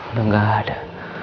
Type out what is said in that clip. udah gak ada